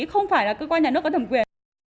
không phải là cơ quan nhà nước có thẩm quyền